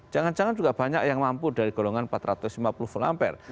jangan jangan juga banyak yang mampu dari golongan empat ratus lima puluh volt ampere